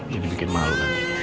jadi bikin malu